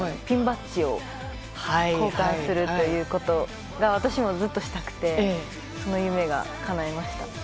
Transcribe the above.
ピンバッジを交換するということが私もずっとしたくてその夢がかないました。